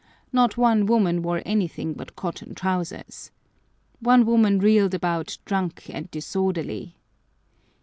Not one woman wore anything but cotton trousers. One woman reeled about "drunk and disorderly."